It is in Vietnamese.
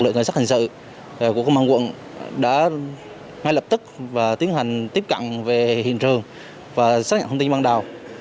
tổ trưởng và tổ trưởng đã ngay lập tức tiếp cận về hiện trường và xác nhận thông tin ban đầu